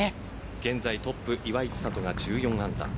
現在トップ岩井千怜が１４安打。